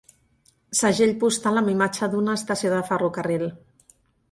Segell postal amb imatge d'una estació de ferrocarril